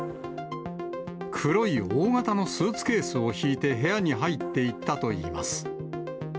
黒い大型のスーツケースを引いて部屋に入っていったといいます。